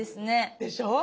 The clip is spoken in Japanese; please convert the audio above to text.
でしょ？